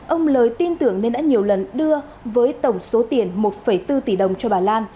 ông lời tin tưởng nên đã nhiều lần đưa với tổng số tiền một bốn tỷ đồng cho bà lan